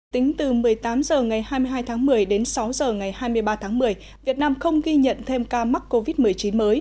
tính từ một mươi tám h ngày hai mươi hai tháng một mươi đến sáu h ngày hai mươi ba tháng một mươi việt nam không ghi nhận thêm ca mắc covid một mươi chín mới